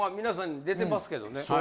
皆さん出てますけどね。